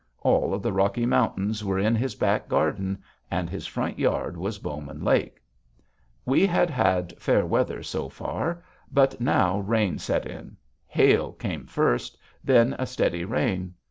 All of the Rocky Mountains were in his back garden, and his front yard was Bowman Lake. We had had fair weather so far. But now rain set in. Hail came first; then a steady rain.